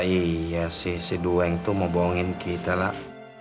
iya sih si dueng tuh mau bohongin kita lah